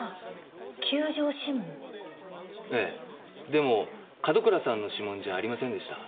でも門倉さんの指紋じゃありませんでした。